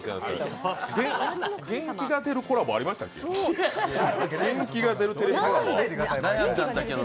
「元気が出るＴＶ」コラボ、ありましたっけ？